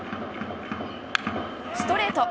ストレート。